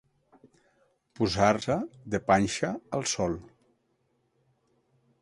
Posar-se de panxa al sol.